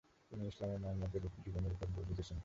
তিনি ইসলাম ও মুহাম্মাদের জীবনীর উপর বই লিখেছেন।